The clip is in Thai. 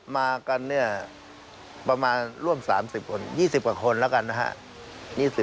มากันเนี่ยประมาณร่วม๓๐คน๒๐กว่าคนแล้วกันนะฮะ